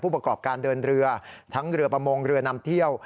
ประกอบการเดินเรือทั้งเรือประมงเรือนำเที่ยว